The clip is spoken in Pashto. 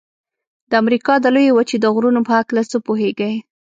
د امریکا د لویې وچې د غرونو په هکله څه پوهیږئ؟